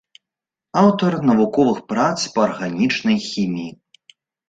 Аўтар навуковых прац па арганічнай хіміі.